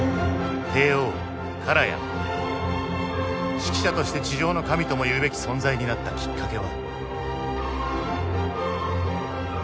指揮者として地上の神ともいうべき存在になったきっかけは。